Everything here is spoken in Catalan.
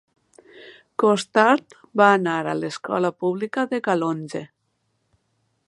Costart va anar a l'escola pública de Calonge.